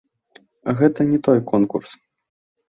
Гэта не той конкурс.